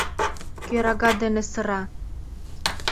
Кӧрага дене сыра.